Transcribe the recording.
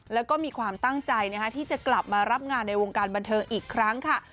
แล้วก็มีความตั้งใจที่จะกลับมารับงานในวงการบันเทิงอีกครั้งค่ะ